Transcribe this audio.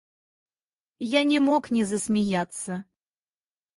Я не мог не засмеяться.